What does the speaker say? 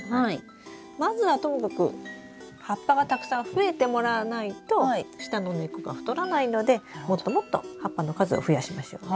まずはともかく葉っぱがたくさん増えてもらわないと下の根っこが太らないのでもっともっと葉っぱの数を増やしましょうね。